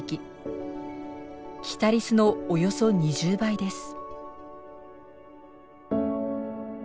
キタリスのおよそ２０倍です。